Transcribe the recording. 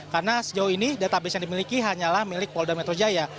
karena sejauh ini database yang dimiliki hanyalah milik polda metro jaya